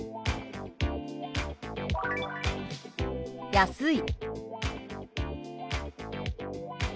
「安い」。